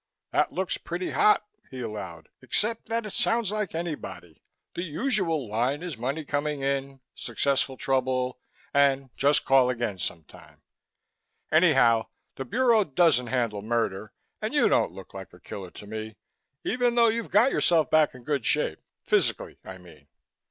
"That looks pretty hot," he allowed, "except that it sounds like anybody. The usual line is money coming in, successful trouble, and just call again sometime. Anyhow, the Bureau doesn't handle murder and you don't look like a killer to me, even though you've got yourself back in good shape, physically, I mean."